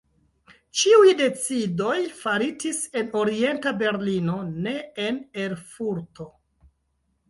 Ĉiuj decidoj faritis en Orienta Berlino, ne en Erfurto.